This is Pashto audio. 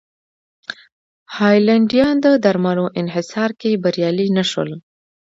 هالنډیان د درملو انحصار کې بریالي نه شول.